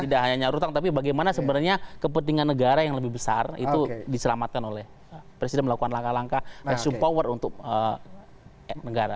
tidak hanya hutang tapi bagaimana sebenarnya kepentingan negara yang lebih besar itu diselamatkan oleh presiden melakukan langkah langkah dan sumpower untuk negara